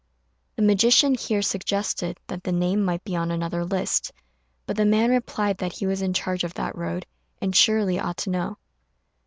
The magician here suggested that the name might be on another list; but the man replied that he was in charge of that road, and surely ought to know.